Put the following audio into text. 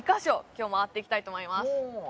今日まわっていきたいと思います